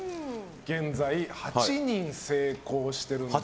現在、８人成功してるんですが。